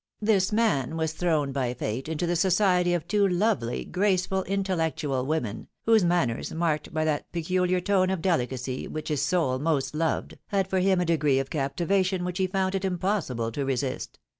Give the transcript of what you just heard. This man was thrown by fate into the society of two lovely, graceful, Intel 288 THE WIDOW MARRIED. lectual women, whose manners, marked by that peculiar tone of delicacy which his soul most loved, had for him a degree of captivation which he found it impossible to resist.